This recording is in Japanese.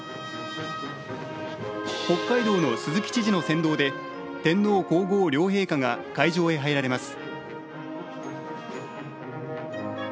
北海道の鈴木知事の先導で天皇皇后両陛下が会場へ入られます。